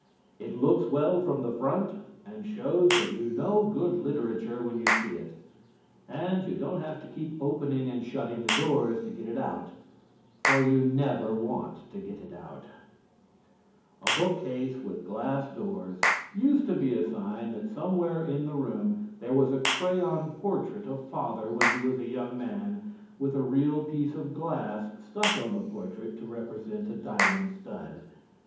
It looks well from the front and shows that you know good literature when you see it. And you don't have to keep opening and shutting the doors to get it out, for you never want to get it out. [Illustration: I thank them and walk into the nearest dining room table.] A bookcase with glass doors used to be a sign that somewhere in the room there was a crayon portrait of Father when he was a young man, with a real piece of glass stuck on the portrait to represent a diamond stud.